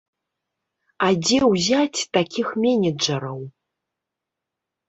А дзе ўзяць такіх менеджараў?